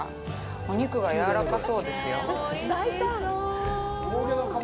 お肉がやわらかそうですよ。